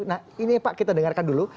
nah ini pak kita dengarkan dulu